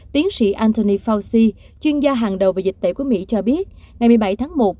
tiến sĩ antony fauci chuyên gia hàng đầu về dịch tễ của mỹ cho biết ngày một mươi bảy tháng một